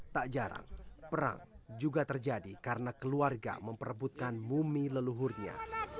tak jarang perang juga terjadi karena keluarga memperebutkan mumi leluhurnya